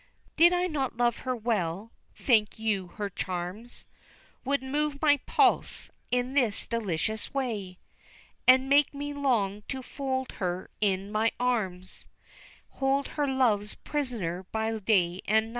"Did I not love her well, think you her charms Would move my pulse in this delicious way, And make me long to fold her in my arms, Hold her love's prisoner by night and day?